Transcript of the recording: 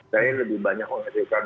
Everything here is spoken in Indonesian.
saya lebih banyak orang yang dikatakan